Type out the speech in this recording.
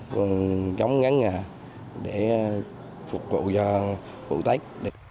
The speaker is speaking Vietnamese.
chống ngắn nhà để phục vụ cho phụ tách